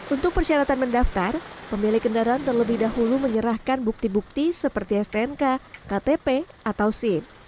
untuk persyaratan mendaftar pemilik kendaraan terlebih dahulu menyerahkan bukti bukti seperti stnk ktp atau sin